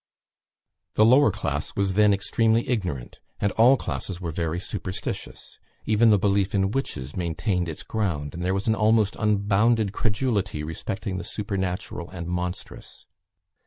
The lower class was then extremely ignorant, and all classes were very superstitious; even the belief in witches maintained its ground, and there was an almost unbounded credulity respecting the supernatural and monstrous.